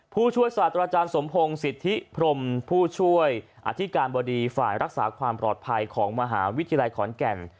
ผู้ช่วยศาสตราจารย์สมพงศ์สิทธิพรมผู้ช่วยอธิการบดีฝ่ายรักษาความปลอดภัยของมหาวิทยาลัยขอนแก่น